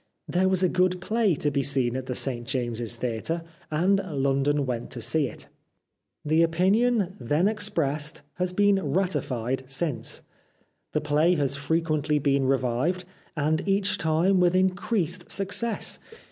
There was a good play to be seen at the St James's Theatre, and London went to see it. The opinion, then expressed, 325 The Life of Oscar Wilde has been ratified since. The play has frequently been revived^ and each time with increased suc cess.